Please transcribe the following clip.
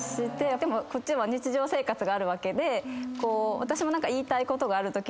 でもこっちも日常生活があるわけで私も何か。